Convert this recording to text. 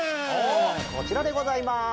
こちらでございます。